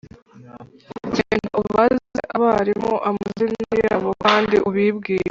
genda ubaze abarimu amazina yabo kandi ubibwire.